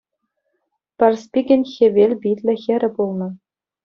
Парспикӗн хӗвел питлӗ хӗрӗ пулнӑ.